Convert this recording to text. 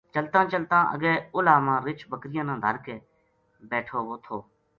چلتاں چلتاں اگے اُلہا ما رچھ بکریاں نا دھر کے بیٹھو وو تھو